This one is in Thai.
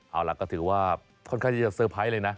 เอาล่ะก็ถือว่าค่อนข้างที่จะเตอร์ไพรส์เลยนะ